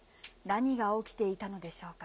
何が起きていたのでしょうか。